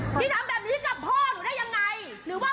แต่พี่มากินกวยทอดปังหมายอาจจะแค่ชะลอ